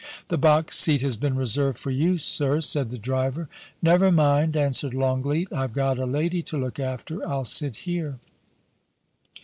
*The box seat has been reserved for you, sir,' said the driver. * Never mind,' answered Longleat * I've got a lady to look after. I'll sit here.